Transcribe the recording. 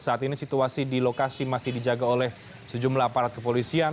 saat ini situasi di lokasi masih dijaga oleh sejumlah aparat kepolisian